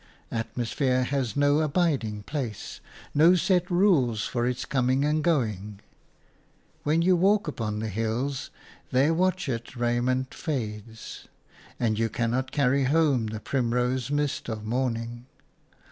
Atmosphere has no abiding place, no set rules for its coming and going; when you walk upon the hills, their watchet raiment fades, and you cannot carry home the primrose mist of morning.